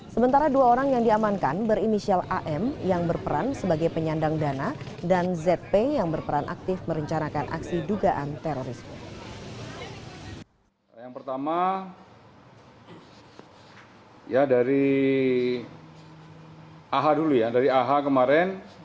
sementara dua orang yang diamankan berinisial am yang berperan sebagai penyandang dana dan zp yang berperan aktif merencanakan aksi dugaan terorisme